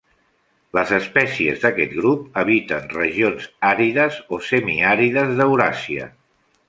Les espècies d'aquest grup habiten regions àrides o semiàrides d'Euràsia.